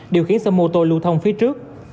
điều khiến xe mô tô lưu thông phía trước